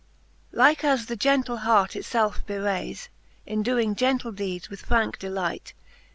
. .r I. LIKE as the gentle hart it felfe bewrayes. In doing gentle deedes with franke delight.